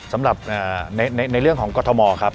สำหรับในเรื่องของกรทมครับ